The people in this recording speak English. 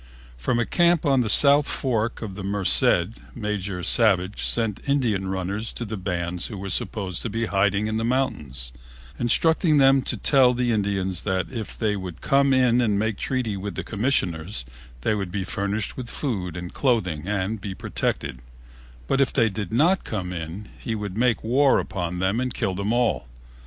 From a camp on the south fork of the Merced, Major Savage sent Indian runners to the bands who were supposed to be hiding in the mountains, instructing them to tell the Indians that if they would come in and make treaty with the Commissioners they would be furnished with food and clothing and be protected, but if they did not come in he would make war upon them and kill them all.